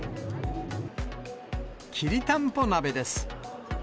きりたんぽ鍋です。